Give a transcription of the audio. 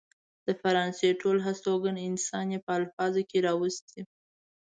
د فرانسې ټول هستوګن انسان يې په الفاظو کې راوستي.